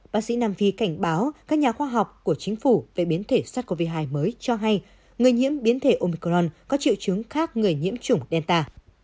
bác sĩ nam phi cảnh báo các nhà khoa học của chính phủ về biến thể sars cov hai mới cho hay người nhiễm biến thể omicron có triệu chứng khác người nhiễm chủng delta